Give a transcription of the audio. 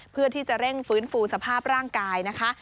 เพื่อที่จะเร่งฟื้นฟูสภาพร่างกายนะคะ